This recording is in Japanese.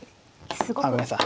あっごめんなさい。